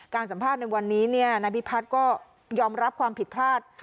สัมภาษณ์ในวันนี้นายพิพัฒน์ก็ยอมรับความผิดพลาด